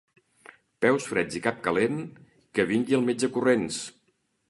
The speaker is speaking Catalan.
Peus freds i cap calent, que vingui el metge corrents.